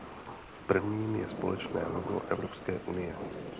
Prvním je společné logo Evropské unie.